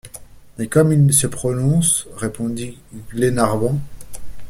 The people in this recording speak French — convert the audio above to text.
Mais comme il se prononce, répondit Glenarvan.